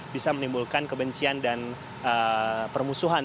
bisa menimbulkan kebencian dan permusuhan